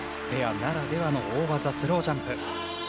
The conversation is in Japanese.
ペアならではの大技、スロージャンプ。